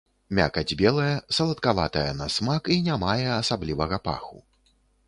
Мякаць белая, саладкаватая на смак і не мае асаблівага паху.